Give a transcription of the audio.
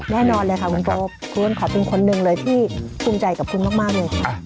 แน่นอนเลยค่ะคุณโป๊คุณขอเป็นคนหนึ่งเลยที่ภูมิใจกับคุณมากเลยค่ะ